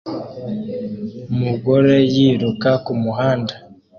Umugore yiruka kumuhanda